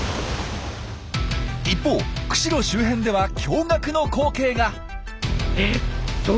一方釧路周辺では驚がくの光景が！